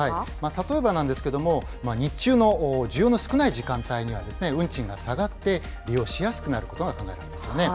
例えばなんですけども、日中の需要の少ない時間帯には、運賃が下がって利用しやすくなることが考えられますよね。